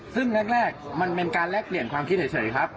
ซึ่งแรกมันเป็นการแลกเปลี่ยนความคิดเฉยครับ